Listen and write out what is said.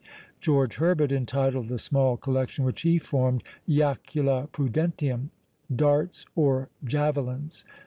George Herbert entitled the small collection which he formed "Jacula Prudentium," Darts or Javelins!